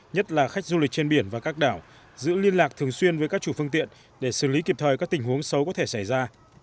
nhất là khách du lịch trên biển và các đảo giữ liên lạc thường xuyên với các chủ phương tiện để xử lý kịp thời các tình huống xấu có thể xảy ra